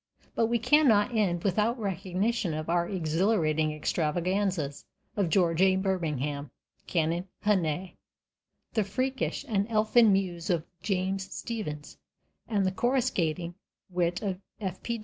But we cannot end without recognition of the exhilarating extravaganzas of "George A. Birmingham" (Canon Hannay), the freakish and elfin muse of James Stephens, and the coruscating wit of F.P.